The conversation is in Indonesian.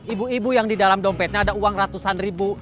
ibu ibu yang didalam dompetnya ada uang ratusan ribu